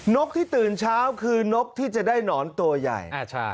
กที่ตื่นเช้าคือนกที่จะได้หนอนตัวใหญ่